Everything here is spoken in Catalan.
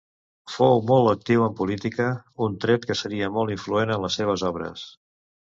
Fou molt actiu en política, un tret que seria molt influent en les seves obres.